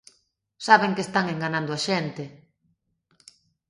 Saben que están enganando a xente.